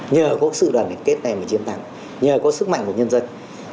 nhờ có sự đoàn kết này và chiến thắng nhờ có sức mạnh của nhân dân